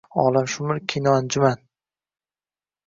Jahonshumul kino anjuman